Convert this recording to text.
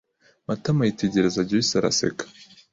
Matama yitegereza Joyci araseka.